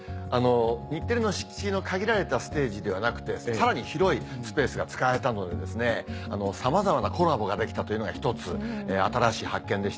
日テレの敷地の限られたステージではなくてさらに広いスペースが使えたのでさまざまなコラボができたというのが１つ新しい発見でしたね。